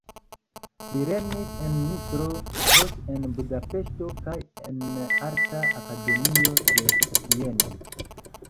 Li lernis en Nitro, poste en Budapeŝto kaj en arta akademio de Vieno.